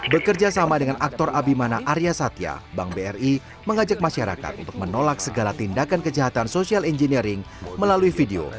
bekerja sama dengan aktor abimana arya satya bank bri mengajak masyarakat untuk menolak segala tindakan kejahatan social engineering melalui video